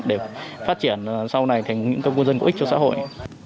để phát triển sau này thành những cư dân có ích cho xã hội